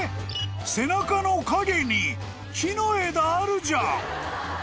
背中の陰に木の枝あるじゃん！］